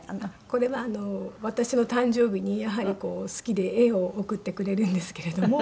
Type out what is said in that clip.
これは私の誕生日にやはり好きで絵を贈ってくれるんですけれども。